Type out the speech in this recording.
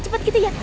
cepet gitu ya